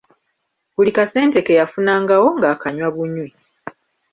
Buli kasente ke yafunangawo ng'akanywa bunywi.